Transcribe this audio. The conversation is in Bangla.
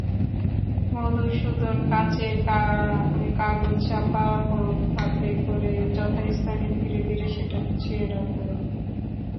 মধুসূদন কাঁচের কাগজচাপা হাতে করে যথাস্থানে ধীরে ধীরে সেটা গুছিয়ে রাখলে।